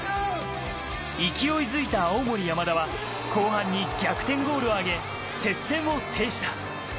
勢いづいた青森山田は後半に逆転ゴールを挙げ接戦を制した。